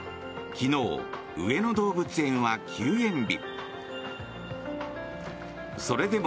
昨日、上野動物園は休園日。